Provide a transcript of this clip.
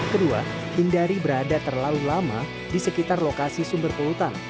kedua hindari berada terlalu lama di sekitar lokasi sumber polutan